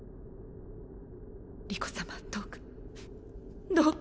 理子様どうかどうか。